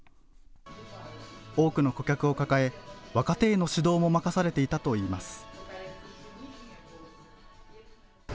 多くの顧客を抱え、若手への指導も任されていたといいます。